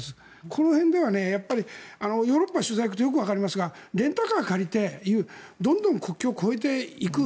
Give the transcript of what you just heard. この辺はヨーロッパに取材に行くとよくわかりますがレンタカーを借りてどんどん国境を越えていく。